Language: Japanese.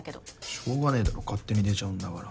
しょうがねぇだろ勝手に出ちゃうんだから。